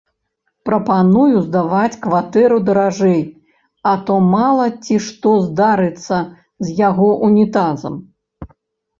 Прапаную здаваць кватэру даражэй, а то мала ці што здарыцца з яго ўнітазам!